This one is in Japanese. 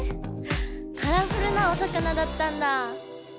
カラフルなお魚だったんだ。